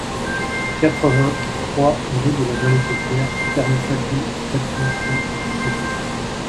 quatre-vingt-trois rue de la Malécotière, quarante-cinq mille quatre cent trente Chécy